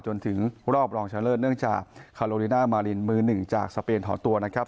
จนถึงรอบรองชนะเลิศเนื่องจากคาโลลิน่ามารินมือหนึ่งจากสเปนถอนตัวนะครับ